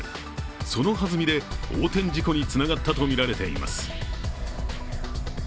そのはずみで横転事故につながったとみられています。